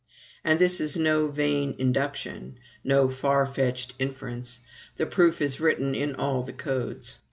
And this is no vain induction, no far fetched inference. The proof is written in all the codes.